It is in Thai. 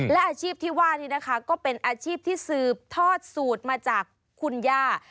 และอาชีพที่ว่านี่นะคะก็เป็นอาชีพที่สืบทอดสูตรมาจากคุณย่า